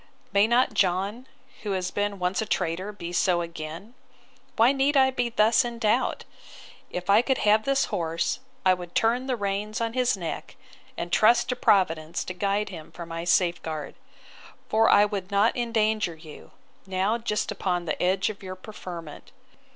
May not John, who has been once a traitor, be so again?—Why need I be thus in doubt?—If I could have this horse, I would turn the reins on his neck, and trust to Providence to guide him for my safeguard! For I would not endanger you, now just upon the edge of your preferment.